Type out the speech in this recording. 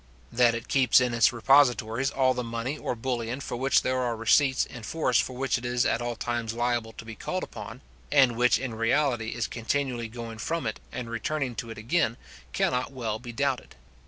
That it keeps in its repositories all the money or bullion for which there are receipts in force for which it is at all times liable to be called upon, and which in reality is continually going from it, and returning to it again, cannot well be doubted.